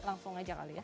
langsung aja kali ya